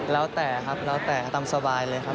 แล้วแต่ครับแล้วแต่ตามสบายเลยครับ